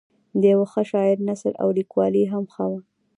د یوه ښه شاعر نثر او لیکوالي هم ښه وه.